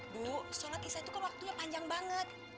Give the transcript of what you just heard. dulu sholat isya itu kan waktunya panjang banget